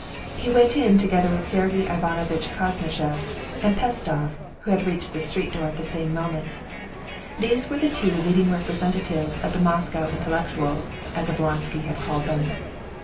He went in together with Sergey Ivanovitch Koznishev and Pestsov, who had reached the street door at the same moment. These were the two leading representatives of the Moscow intellectuals, as Oblonsky had called them.